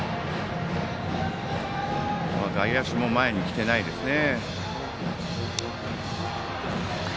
外野手は前に来てないですね。